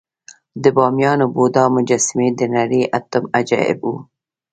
د بامیانو بودا مجسمې د نړۍ اتم عجایب وو